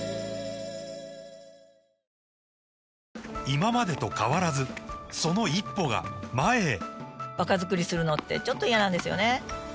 今までと変わらずその一歩が前へ若づくりするのってちょっと嫌なんですよね